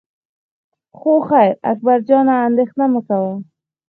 خو خیر اکبر جانه اندېښنه مه کوه.